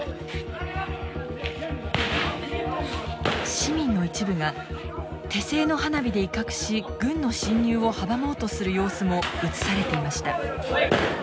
市民の一部が手製の花火で威嚇し軍の侵入を阻もうとする様子も映されていました。